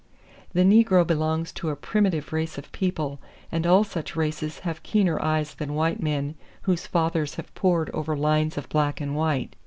The negro belongs to a primitive race of people and all such races have keener eyes than white men whose fathers have pored over lines of black and white.